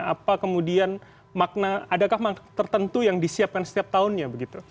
apa kemudian makna adakah tertentu yang disiapkan setiap tahunnya begitu